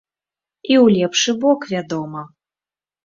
І ў лепшы бок, вядома!